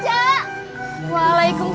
jak assalamualaikum jak